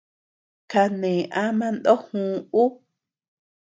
Kané ama ndógü ú.